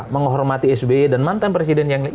menghormati sby dan mantan presiden yang